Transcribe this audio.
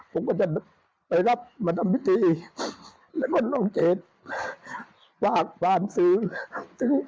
ผมก็จะไปรับมาทำพิธีแล้วก็น้องเจศฝากฝ่านซื้อ